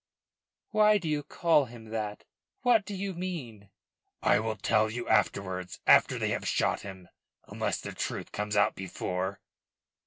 "Why do you call him that? What do you mean?" "I will tell you afterwards, after they have shot him; unless the truth comes out before."